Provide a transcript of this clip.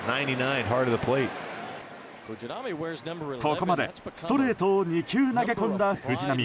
ここまで、ストレートを２球投げ込んだ藤浪。